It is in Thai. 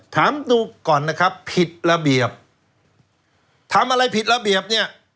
ถามดูก่อนนะครับผิดระเบียบทำอะไรผิดระเบียบเนี่ย